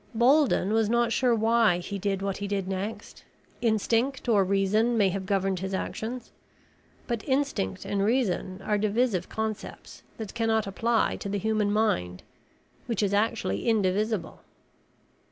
Bolden was not sure why he did what he did next. Instinct or reason may have governed his actions. But instinct and reason are divisive concepts that cannot apply to the human mind, which is actually indivisible.